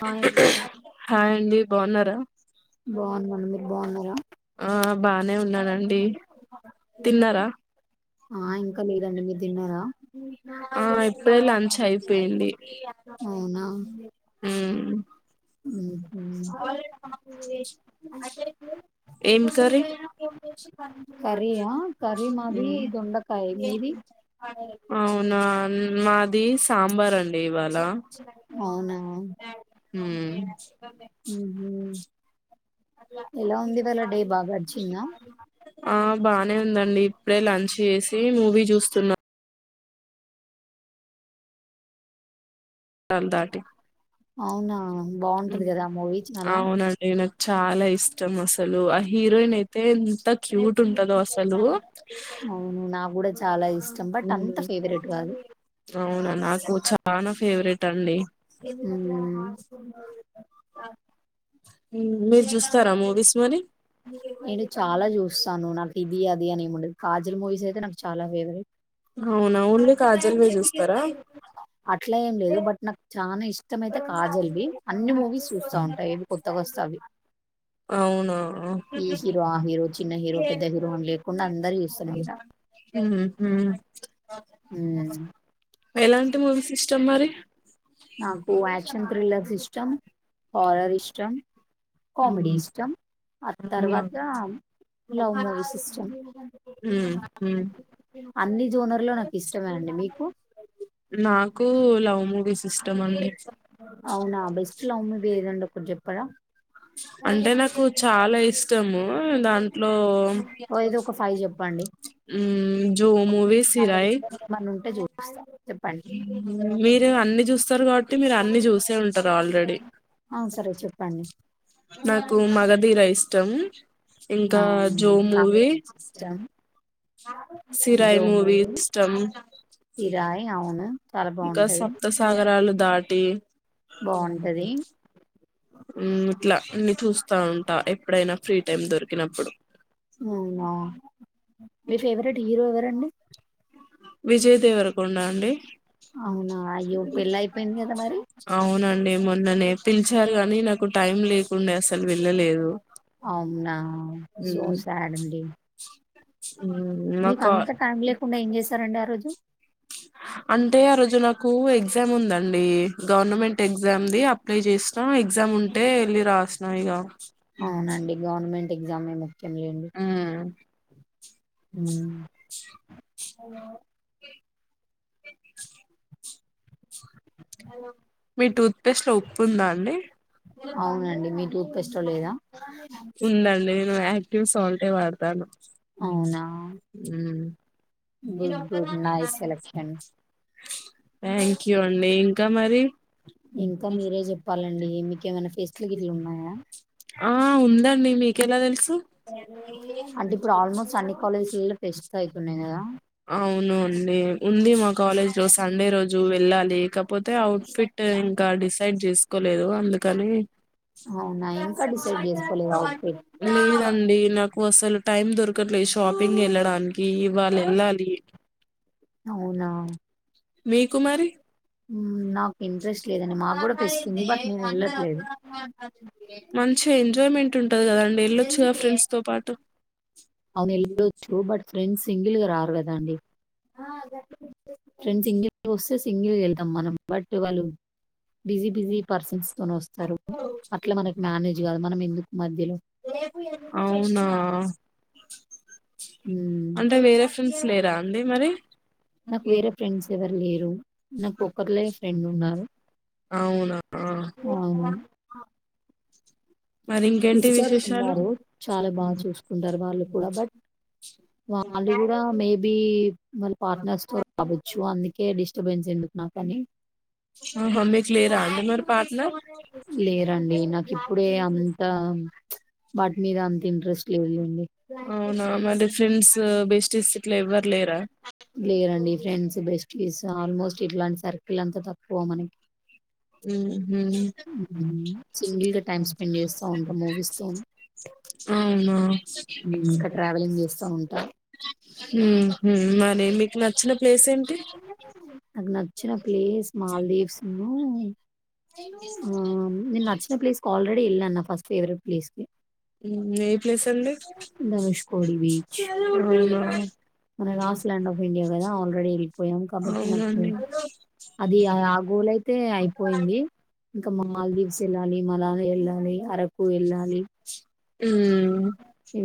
Hi అండి హా అండి బాగున్నారా బాగున్నాను మీరు బాగున్నారా ఆ బానే ఉన్నానండి తిన్నారా ఆ ఇంకా లేదండి మీరు తిన్నారా ఆ ఇప్పుడే లంచ్ అయిపోయింది హు ఉహు ఏం కర్రీ కర్రీ ఆ కర్రి మాది ఉమ్ దొండకాయ మీది అవునా మాది సాంబార్ అండి ఇవాళ అవునా హు ఉహు ఎలా ఉంది ఇవాళ డే బాగా గడిచిందా ఆ బానే ఉందండి ఇప్పుడే లంచ్ చేసి మూవీ చూస్తున్నా అన్ దాటీ అవునా బాగుంటది కదా మూవీ చాలా అవునండి నాకు చాలా ఇష్టం అ అసలు ఆ హీరోయిన్ అయితే ఎంత క్యూట్ ఉంటందో అసలు అవును నాకు కూడా చాలా ఇష్టం బట్ అంత ఉమ్ ఫేవరెట్ కాదు అవునా నాకు చానా ఫేవరెట్ అండి హు మ్మ్, మీరు చూస్తారా మూవీస్ మరి నేను చాలా చూస్తాను నాకి ఇది బిర్యానీ ఏమి ఉండదు కాజల్ మూవీస్ ఐతే నాకు చాలా ఫేవరెట్ అవునా ఓన్లీ కాజల్ వే చూస్తరా అట్లా ఏం లేదు బట్ నాకు చానా ఇష్టమయితే కాజల్వి అన్ని మూవీస్ చూస్తా ఉంటా ఏవి కొత్తగా వస్తే అవి అవునా ఈ హీరో ఆ హీరో చిన్న హీరో పెద్ద హీరో అని లేకుండా అందరివి చూస్తూనే ఉంటా మ్మ్ [unintelligible] ఎలాంటి మూవీస్ ఇష్టం మరి నాకు యాక్షన్ థ్రిల్లర్స్ ఇష్టం హార్రర్ ఇష్టం కామెడీ ఇష్టం అ తర్వాత లవ్ మూవీస్ ఇష్టం హు హు అన్ని జోనర్ లో నాకు ఇష్టమే అండి మీకు నాకు లవ్ మూవీస్ ఇష్ అవునా బెస్ట్ లవ్ మూవీ ఏదండి ఒకటి చెప్పండి ఎక్కడ అంటే నాకు చాలా ఇష్టము దాంట్లో ఓ ఏదో ఒక ఫైవ్ చెప్పండి హు జో మూవీ నా సిరాయి దగ్గర ఏమన్నా ఉంటే చూ చెప్పండి మీరు అన్ని చూస్తరు కాబట్టి మీరు అన్ని చూసే ఉంటరు ఆల్రెడీ ఆ సరే చెప్పండి నాకు మగధీరా ఇష్టం ఇంకా జో అవును నాకు కూడా మూవీ ఇష్టం సిరాయ్ మూవీ ఇష్టం కిరాయి అవును చాలా ఇంకా బాగుంటది సప్తసాగరాలు దాటి ఊ బాగుంటది ఇట్లా అన్ని చూస్తా ఉంటా ఎప్పుడైనా ఫ్రీ టైమ్ దొరికినప్పుడు అవునా మీ ఫేవరెట్ హీరో ఎవరండి విజయ్ దేవరకొండ అండి అవునా అయ్యో పెళ్ళి అయిపోయింది కదా మరి అవునా నే మొన్ననే పిలిచారు గానీ నాకు టైం లేకుండే అసలు వెళ్ళలేదు అవునా సో ఉమ్, సాడ్ అండి ఉమ్, మీకు నాకు అంత టైం లేకుండా ఏం చేశారండి ఆ రోజు అంటే ఆ రోజు నాకు ఎగ్జామ్ ఉందండి గవర్నమెంట్ ఎగ్జామ్దిి అప్లై చేసినాం ఎగ్జామ్ ఉంటే వెళ్ళి రాసినం ఇక అవునండి గవర్నమెంట్ ఎగ్జామే ఉమ్ ఉమ్ మీ టూత్పేస్ట్ లో ఉప్పు ఉందా అండి పెస్ట లే లేదా వ సాల్టే వాడతాను అవునా good good nice selection thank you అండి ఇంకా మరి ఇంకా మీరే చెప్పాలండి మీకేమైనా ఫెస్లోకి ఇట్లు ఉన్నాయా ఆ ఉందండి మీకెలా తెలుసు అంటే ఇప్పుడు ఆల్మోస్ట్ అన్ని కాలేజీలలో ఫెస్ట్లు అవుతున్నాయి కదా అవునును అ ఉంది మా కాలేజ్ రోజు సండే రోజు వెళ్ళాలి లేకపోతే అవుట్ ఫిట్ ఇంకా డిసైడ్ చేసు తకోలేదు అందుకని అవునాయి మీదండి నాకు వ అసలు టైమ్ ద అక్కట్లో షాపింగ్ వెళ్ళడానికి వాళ్ళ వెళ్ళాలి అవునా మీ కుమారి మ్మ్, నాకు ఇంట్రెస్ట్ లేదండి మాకు కూడా ఫెస్ట్ ఉంది బట్ నేను వెళ్ళట్లేదు మంచి ఎంజాయ్మెంట్ ఉంటంది కదండి వెళ్ళొచ్చు ఫ్రెండ్స్ తో పాటు అవునుళ్ళచ్చు బట్ ఫ్రెండ్ సింగిల్ గా రారు కదా అండి ఆ గడి ఫ్రెండ్స్ ఇ ప్రోసెస్ సింగిల్ వెళ్తాం మనం బట్ వాళ్ళు బిజీ బిజీ పర్సన్స్ తో వస్తారు అట్లా మనకి మేనేజ్ కాదు మనం ఎందుకు మధ్యలో అవునా ఉమ్ అంటే వేరే ఫ్రెండ్స్ లేరా అండి మరి నా పొక్కర్లో ఫ్రెండ్ ఉన్నారు అవునా అవును మరి ఇంకేంటి సిస్టర్స్ విశేషాలు ఉన్నారు చాలా బాగా చూసుకుంటారు వాళ్ళు కూడా బట్ వాళ్ళు కూడా మేబ బ మళ్ళీ పార్ట్నర్స్ తో రావచ్చు అందుకే డిస్టర్బెన్స్ ఎందుకు నాకు కానీ ఆహ మీ క్లియరా అడి మరి పార్ట్న వాటమి రామ్ తీ ఇంట్రెస్ట్ లేవండి అవునా మరి ఫ్రెండ్స్ బే స్ట్లు ఎవ్వరు లేరా లేరండి ఫ్రెండ్స్ బెస్టిస్ ఆల్మోస్ట్ ఇట్లాంటి సర్కిల్ అంతా తక్కువ మనకి ఉ హ్మ్. సింగిల్‌గా టైమ్ స్పెండ్ చేస్తా ఉంటా మూవీస్‌తోని. అవునా హ్మ్. ఇంకా ట్రావెలింగ్ చేస్తా ఉంటా. మరి నేమి నాకు నచ్చిన ప్లేస్ మాల్దీవ్స్ ఆ నిను నచ్చిన ప్లేస్ కు ఆల్్రెడి ఇల్ అన్న ఫస్ట్ ఫవరెట్ ప్లేస్కె ఏ ప్లేస్ అండి ధనుష్కోడి బీచ్. అవునా ఏం లేదు గదా అల్రేడి వెళ్ళిపోయం కాబట్టి నాకు అవునండి అది ఆ గోల్ అయితే అయిపోయింది. ఇంకా మాల్దీవ్స్ వెళ్ళాలి మళ్ల మళ్ళీ ఎళ్ళాలి అరకు ఎళ్ళాలి. ఉమ్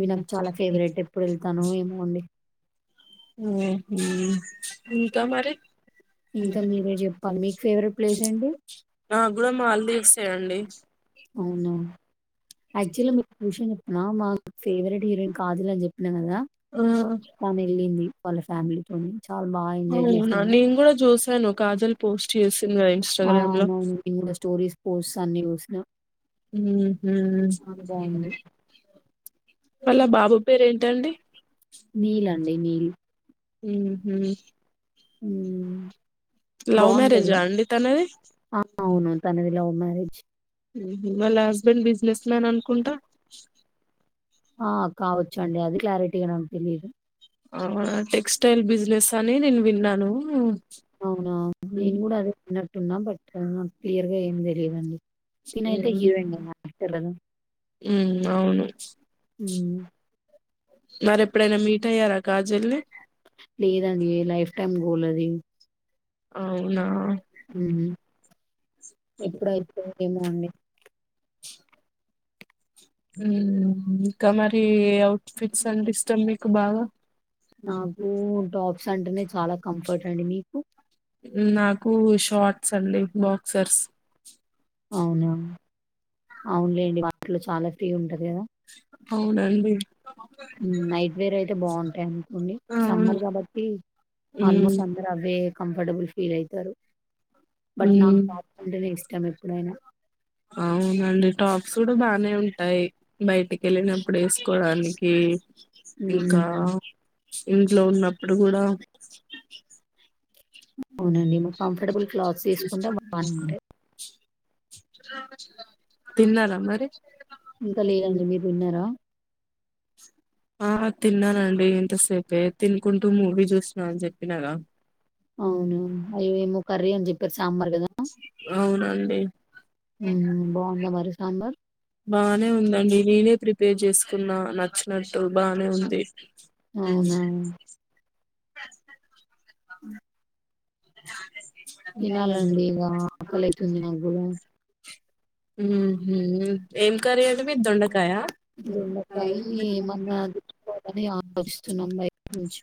వీళ్ళకు చాలా ఫేవరెట్ ఎప్పుడు వెళ్తానో ఏమో అండి. హ్మ్ హు ఇంక మరి ఇంకా మీరే చెప్పాలి మీకు ఫేవరెట్ ప్లేస్ ఏంటి నాకు కూడా మాలు తీసేయండి అవునా యాక్చువల్లీ మీరుూష చెప్పిన మాకు ఫేవరెట్ హీరోయిన్ కాజిల్ అని చెప్పి కదా ఆ ఆ తాను వెళ్ళింది వాళ్ళ ఫ్యామిలీ త చాలా బాగా ఎంజాయ్ అవునా చేసింది నేను కూడా చూసాను కాజల్ పోస్ట్ చేసింది కదా ఆ ఇన్స్టాగ్రామ్ లో అవునవును ఇం స్టోరీస్ పో తన్ని జూసిన మ్మ్ హు బాగుంది [unintelligible] ఆలా బాబు పేరేంటండి? నీల్ అండి నీల్ హ్మ్ హు అ ఉమ్, లవ్ బాగుంటాడు మ్యారేజా అండి తనది. ఆ! అవును. తనది లవ్ మ్యారేజ్ మ్మ్ హు వాళ్ళ హస్బెండ్ బిజినెస్ మ్యాన్ అనుకుంటా! ఆ కావచ్చు అండి అది క్లారి టిగా నాకు తెలియదు. అవునా టెక్స్టైల్ బిజినెస్ అని నేను విన్నాను. అవునా నేను కూడ అదే [unintelligible] టున్న బట్ క్లియర్ గా ఏం తెలియదండి. తినైతే హీరోయిన్ అవును [inaudible] మ్మ్ మరి ఎప్పుడైనా మీట్ అయ్యారా కాజల్నీ. టైం గోల్ అదీ అవునా మ్మ్ ఎప్పుడైతదో ఏమో అండి. హ్మ్ హు ఇంకా మరీ ఏ అవుట్ ఫిట్స్ అంటే ఇష్టం మీకు బాగా? నాకు టాప్స్ అంటేనే చాలా కంఫర్ట్ అండి మీకు చల్లి బాక్సర్స్ అవునవును అవునులేండి వాటిలో చాలా ప్రీ ఉండదు అవునండి నైట్ వేర్ అయితే బాగుంటాయి అనుకోండి అవును సమ్మర్ కాబట్టి ఉమ్ ఆల్మోస్ట్ సమర్ అవే కంఫర్టబుల్ ఫీల్ అయితరు. బట్ నా ఉమ్ ప్రాక్స్ అంటేనే ఇష్టం. ఎప్పుడైనా అవునండి టాప్స్ కూడా బానే ఉంటాయి బయటికి వెళ్ళినప్పుడు వేసుకోడానికి ఇంకా మ్మ్ ఇంట్లో ఉన్నప్పుడు కూడా [unintelligible] అవునండి హ్మ్మ్ మా కంఫర్టబుల్ క్లాత్స్ తీసుకుంటే బానే ఉంటాయి అ తిన్నారా మరి ఇంకా లేదండి మీరు తిన్నారా ఆ తిన్నానండి ఇంతసేపే తినుకుంటూ మూవీ చూస్త అ అని చెప్పినార అవునువును అయ్య ఏమో కర్రీ అని చెప్పారు సాంబార్ కదా అవునండి బాగుందా మరి సాంబార్ బాగానే ఉందండి నేనే ప్రిపేర్ చేసుకో న్నా నచ్చినట్టు బానే ఉంది అవునా ప్రస్త అ తినాలండి ఇక ఆకలిైతుంది నాకూడా ఉహు ఏం కర్రీ అండి మీది దొండకాయ దొండకాయ మన్న దకోాలని ఆలోచిస్తున్నాం బయట నుంచి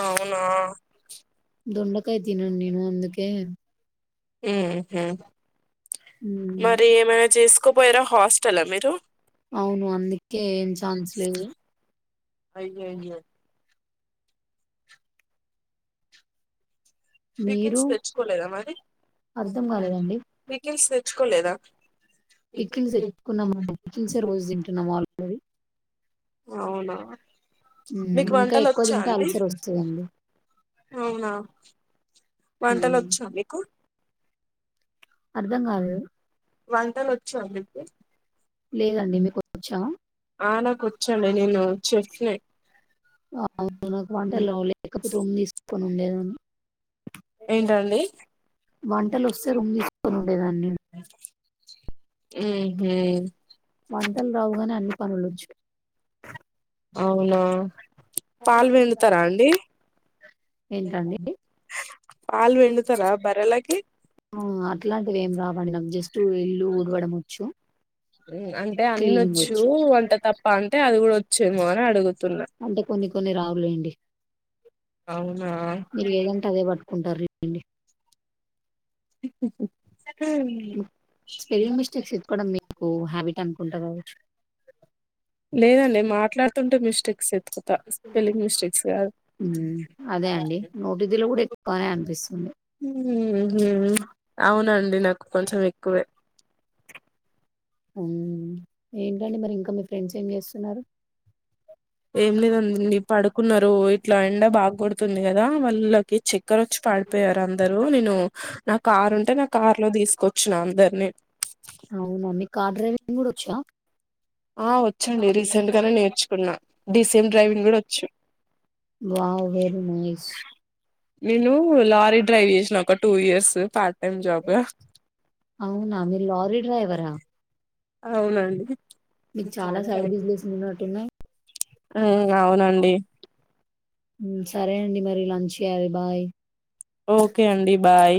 అవునా దొండకాయ తిన అండి నేను అందకే ఉహూ మ్మ్ మరి ఏమైనా చేసుకోపోయారా హాస్టలా మీరు అవును అందుకే ఏం ఛాన్స్ లేవు మీరు పికిల్స్ తెచ్చుకోలేదా మరి అర్థం కాలేదండి పికిల్స్ తెచ్చుకోలేదా పిక్కిల్స్ సరి అవునా హ్మ్ మీకు ఇంకా వంటలు ఎక్కువ ఒచ్చా తింటే అండి అల్సర్ వస్తదండి. అవునా వంటలు హ్మ్ ఒచ్చా మీకు అర్థం కాలేదు. వంటలు ఒచ్చా మీకు లేదండి మీకొచ్చా? ఆ నాకు ఒచ్చండి నేను షెఫ్ నే అవును నాకు వంటలు రావులే లేకపోతే [unintelligible] తీసుకోను లేదన్ ఏంటండి వంటలొస్తే రూమ్ తీసుకొని ఉండేదాన్ని. ఉహు వంటలు రావుగాని అన్ని పనులొచ్చు అవునా పాలు పిండుతారా అండి ఏంటండి? ఏండి పాలు పిండుతారా బర్రెలకీ ఆ! అట్లాంటివేం రావండి నాకు జస్ట్ ఇల్లు ఊడవడం వచ్చు. ఉ అంటే క్లీనింగ్ అన్నొచ్చు వచ్చు. వంట తప్ప అంటే అది కూడా వచ్చేమో అని అడుగుతున్నా అంటే కొన్ని కొన్ని రావులేండి. అవునా మీరు ఏదంటే అదే పట్టుకుంటారు అండి స్పెల్లింగ్ మిస్టేక్స్ ఎతుకోవడం మీకు హ్యాబిట్ అనుకుంట కావచ్చు లేదండి మాట్లాడుతుంటే మిస్టేక్స్ ఎతుకుతా స్పెలింగ్ మిస్టేక్స్ కాదు హ్మ్. అదే అండి. నోటిదిలో కూడా ఎక్కువనే అనిపిస్తుంది. ఉహు అవునండి నాకు కొంచెం ఎక్ క్కువే ఉమ్ ఏంటండి మరి ఇంకా మీ ఫ్రెండ్స్ ఏం చేస్తున్నారు ఏం లేదండీ పడుక్ కున్నారు ఇట్లా ఎండా బాగ కొడుతుంది క దా వాళ్ళకి చక్కర్ ఒచ్చి పడ్ పోయారు అందరు నేను నా కార్ ఉంటే నా కార్ లో తీసుకొచ్చి నా అందరిని అవునా మీ కార్ డ్రైవింగ్ కూడా వచ్చా ఆ వచ్చండి రీసెంట్ గానే నేర్చుకున్నా డిసిఎమ్ డ్రైవింగ్ కూడా వచ్చు వావ్! Very nice. నేను లారీ డ్రైవ్ చేసిన ఒక two years part time job అవునా! మీరు లారీ డ్రైవరా? అవునండి నాయ్ ఆహ్ అవునండి సరే అండి మరి లంచ్ చేయ్యాలి బాయ్. ఓకే అండి బాయ్